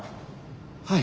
はい。